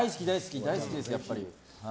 大好きですよ、やっぱり。